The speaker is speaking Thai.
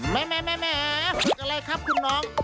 แม่อะไรครับคุณน้อง